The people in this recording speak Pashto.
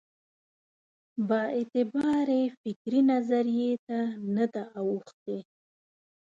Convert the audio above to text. بااعتبارې فکري نظریې ته نه ده اوښتې.